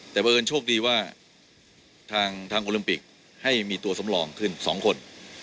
แต่บังเอิญโชคดีว่าทางโอลิมปิกให้มีตัวสำรองขึ้น๒คน